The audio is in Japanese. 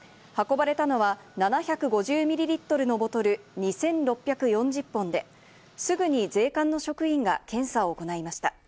運ばれたのは７５０ミリリットルのボトル２６４０本で、すぐに税関の職員が検査を行いました。